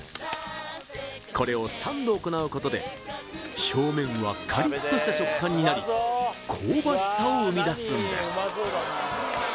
これを３度行うことで表面はカリッとした食感になり香ばしさを生み出すんです